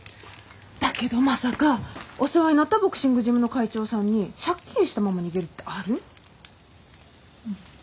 だけどまさかお世話になったボクシングジムの会長さんに借金したまま逃げるってある？